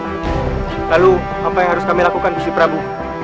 lalu apa yang harus kami lakukan gusi prabu